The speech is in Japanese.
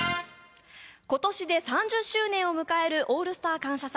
今年で３０周年を迎える「オールスター感謝祭」。